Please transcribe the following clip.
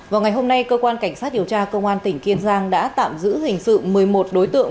vào ngày hôm nay cơ quan cảnh sát điều tra công an tỉnh kiên giang đã tạm giữ hình sự một mươi một đối tượng